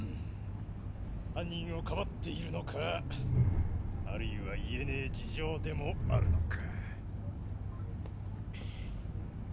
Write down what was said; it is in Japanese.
犯人を庇っているのかあるいは言えねえ事情でもあるのか。